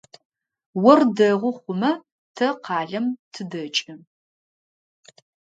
Ор дэгъу хъумэ, тэ къалэм тыдэкӏы.